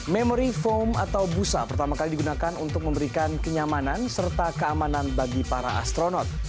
memory foam atau busa pertama kali digunakan untuk memberikan kenyamanan serta keamanan bagi para astronot